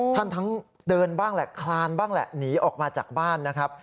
ทั้งเดินบ้างแหละคลานบ้างแหละหนีออกมาจากบ้านนะครับ